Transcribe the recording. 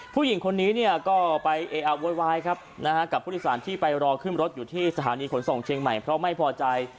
ผู้หญิงคนนี้เนี่ยก็ไปเออะโวยวายครับนะฮะกับผู้โดยสารที่ไปรอขึ้นรถอยู่ที่สถานีขนส่งเชียงใหม่เพราะไม่พอใจ